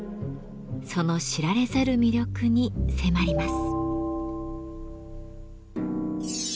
その知られざる魅力に迫ります。